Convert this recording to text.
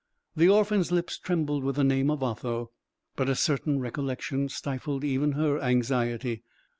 The orphan's lips trembled with the name of Otho, but a certain recollection stifled even her anxiety.